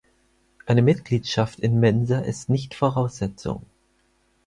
Eine Mitgliedschaft in Mensa ist nicht Voraussetzung.